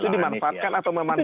itu dimanfaatkan atau memanfaatkan